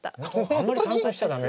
あんまり参考にしちゃ駄目。